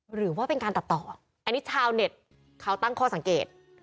หรือว่าเป็นการตัดต่ออันนี้ชาวเน็ตเขาตั้งข้อสังเกต